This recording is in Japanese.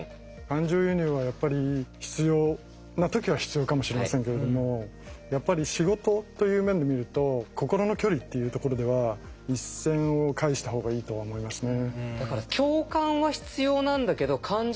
感情移入はやっぱり必要な時は必要かもしれませんけれどもやっぱり仕事という面で見ると心の距離っていうところでは一線をかいした方がいいとは思いますね。